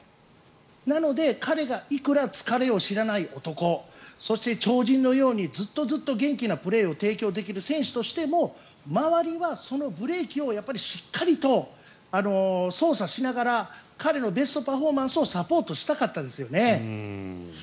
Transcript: なので、彼がいくら疲れを知らない男そして、超人のようにずっとずっと元気なプレーを提供できる選手としても周りはそのブレーキをしっかりと操作しながら彼のベストパフォーマンスをサポートしたかったですよね。